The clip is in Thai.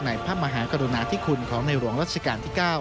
ในภาพมหากรุณาที่คุณของในหลวงราชการที่๙